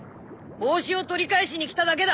帽子を取り返しに来ただけだ。